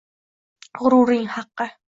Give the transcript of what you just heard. G’ururing haqqi.